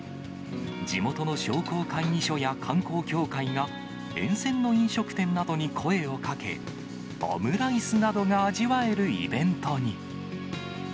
地元の商工会議所や観光協会が、沿線の飲食店などに声をかけ、オムライスなどが味わえるイベントに。